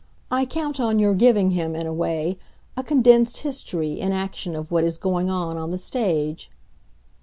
I count on your giving him, in a way, a condensed history in action of what is going on on the stage."